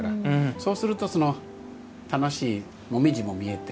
そうすると楽しい紅葉も見えて。